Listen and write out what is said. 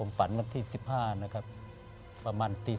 ผมฝันเมื่อที่๑๕ประมาณตี๔